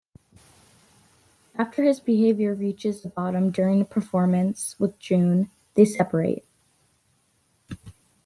After his behavior reaches a bottom during a performance with June, they separate.